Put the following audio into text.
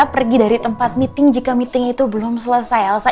pergi dari tempat meeting jika meeting itu belum selesai elsa